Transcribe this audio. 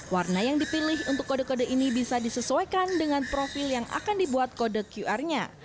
warna yang dipilih untuk kode kode ini bisa disesuaikan dengan profil yang akan dibuat kode qr nya